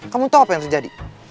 kamu tahu apa yang terjadi